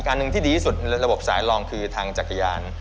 อันหนึ่งที่ดีที่สุดในระบบสายรองคือทางจักรยาน